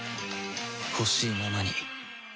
ほしいままに